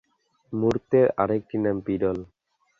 মূত্রের আরেকটি নাম পিডল।